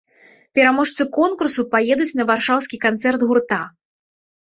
Пераможцы конкурсу паедуць на варшаўскі канцэрт гурта.